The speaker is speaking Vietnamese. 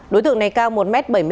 đối tượng này cao một m bảy mươi năm